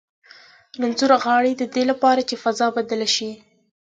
رنځور غاړي د دې لپاره چې فضا بدله شي.